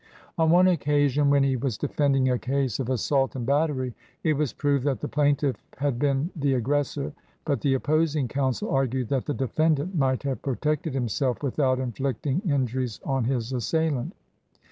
On one occasion when he was defending a case of assault and battery it was proved that the plaintiff had been the aggressor, but the op posing counsel argued that the defendant might have protected himself without inflicting injuries on his assailant.